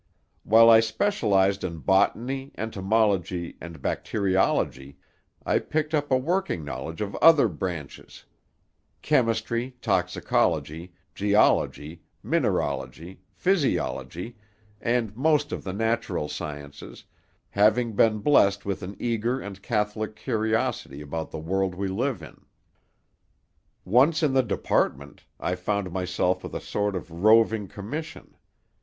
While I specialized on botany, entomology, and bacteriology, I picked up a working knowledge of other branches; chemistry, toxicology, geology, mineralogy, physiology, and most of the natural sciences, having been blessed with an eager and catholic curiosity about the world we live in. "Once in the Department, I found myself with a sort of roving commission.